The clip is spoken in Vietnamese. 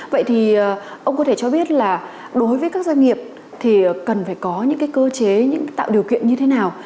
vậy thì ông có thể cho biết là đối với các doanh nghiệp thì cần phải có những cái cơ chế những tạo điều kiện như thế nào